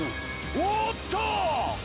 おっと！